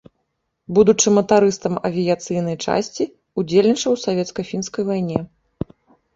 Будучы матарыстам авіяцыйнай часці, удзельнічаў у савецка-фінскай вайне.